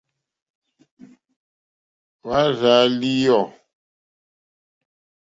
Wàà rzà lìyɔ̌.